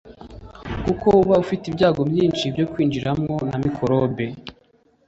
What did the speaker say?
kuko uba ufite ibyago byinshi byo kwinjirwamo na mikorobe